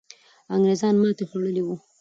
انګریزان ماتې خوړلې وو.